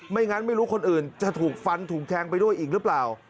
งั้นไม่รู้คนอื่นจะถูกฟันถูกแทงไปด้วยอีกหรือเปล่า